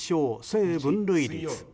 正分類率。